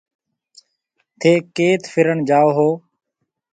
ٿَي ڪيٿ ڦِرڻ جائو هون۔